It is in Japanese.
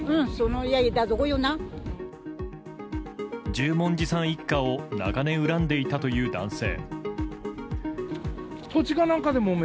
十文字さん一家を長年恨んでいたという男性。